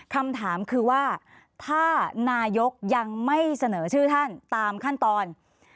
คำถามคือว่าถ้านายกยังไม่เสนอชื่อท่านตามขั้นตอน